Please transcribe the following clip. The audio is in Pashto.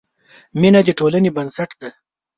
مینه د ټولنې بنسټ دی.